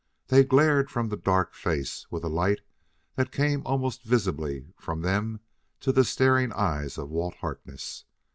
They glared from the dark face with a light that came almost visibly from them to the staring eyes of Walt Harkness.